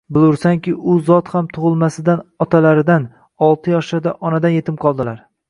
Bilursanki, u zotham tug'ilmaslaridanoq otalaridan, olti yoshlarida onadan yetim qoldilar.